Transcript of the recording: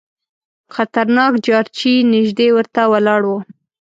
خطرناک جارچي نیژدې ورته ولاړ وو.